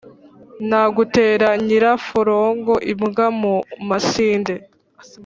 nagutera nyiraforongo-imbwa mu masinde.